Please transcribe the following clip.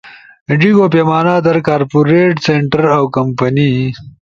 ڙیِگو پیمانہ در کارپوریٹس سنٹر اؤ کمپنئی